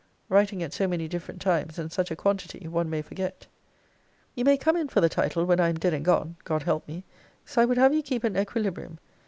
Writing, at so many different times, and such a quantity, one may forget. You may come in for the title when I am dead and gone God help me! So I would have you keep an equilibrium.